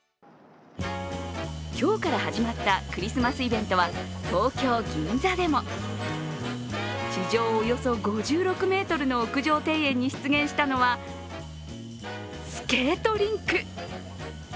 今日から始まったクリスマスイベントは東京・銀座でも地上およそ５６ｍの屋上庭園に出現したのはスケートリンク。